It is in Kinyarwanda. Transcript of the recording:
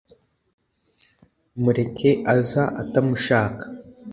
mureke aza utamushaka